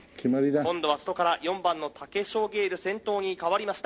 「今度は外から４番のタケショウゲイル先頭に変わりました」